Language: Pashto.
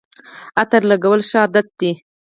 عطر لګول ښه عادت دی